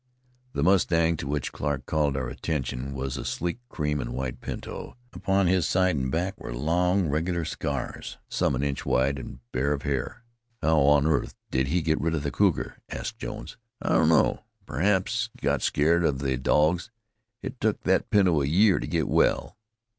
The mustang to which Clarke called our attention was a sleek cream and white pinto. Upon his side and back were long regular scars, some an inch wide, and bare of hair. "How on earth did he get rid of the cougar?" asked Jones. "I don't know. Perhaps he got scared of the dogs. It took thet pinto a year to git well.